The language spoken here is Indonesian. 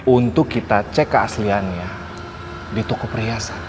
untuk kita cek keasliannya di toko perhiasan